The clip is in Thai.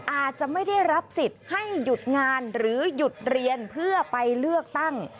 อาจจะไม่ได้รับสิทธิ์ให้หยุดงานหรือหยุดเรียนเพื่อไปเลือกตั้ง